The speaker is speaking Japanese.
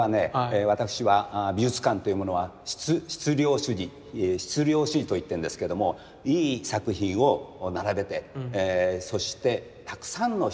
私は美術館というものは質量主義質量主義と言ってんですけどもいい作品を並べてそしてたくさんの人にですね